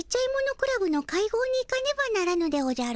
クラブの会合に行かねばならぬでおじゃる。